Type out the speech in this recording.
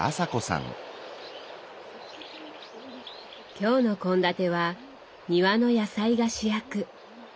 今日の献立は庭の野菜が主役。